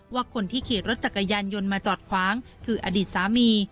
ว่าคนที่ขี่รถจักรยานยนต์มาจอดคว้างคืออดีตสามี